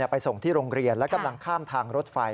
ไปส่งที่โรงเรียนและกำลังข้ามทางรถไฟ